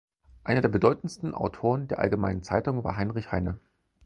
Einer der bedeutendsten Autoren der Allgemeinen Zeitung war Heinrich Heine.